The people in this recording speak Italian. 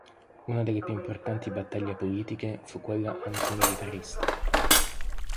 Una delle più importanti battaglie politiche fu quella antimilitarista.